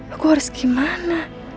aku harus gimana